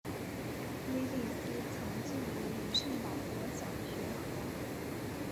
威利斯曾就读于圣保罗小学和。